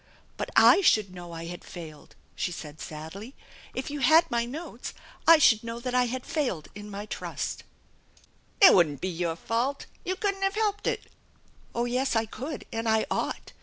" But I should know I had failed !" she said sadly. " If you had my notes I should know that I had failed in my trust." It wouldn't be your fault. You couldn't have helped it !" 279 280 THE ENCHANTED BARN " Oh, yes, I could, and I ought.